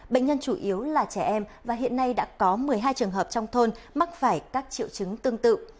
bệnh nhân chủ yếu là trẻ em và hiện nay đã có một mươi hai trường hợp trong thôn mắc phải các triệu chứng tương tự